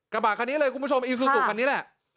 กระบะคันนี้เลยคุณผู้ชมอีซูซูคันนี้แหละ